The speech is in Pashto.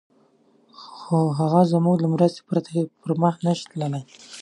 خو هغه زموږ له مرستې پرته پر مخ نه شي تللای.